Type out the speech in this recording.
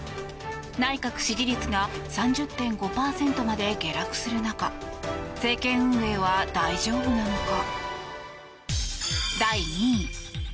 内閣支持率が３０．５％まで下落する中政権運営は大丈夫なのか。